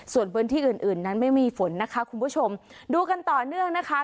ส่วนพื้นที่อื่นอื่นนั้นไม่มีฝนนะคะคุณผู้ชมดูกันต่อเนื่องนะคะ